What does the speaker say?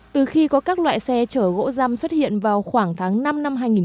từ khi có các loại xe chở gỗ răm xuất hiện vào khoảng tháng năm năm hai nghìn một mươi chín